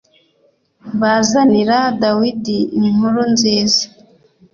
Bazanira Dawidi inkuru nziza